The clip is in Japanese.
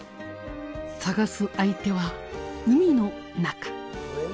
探す相手は海の中。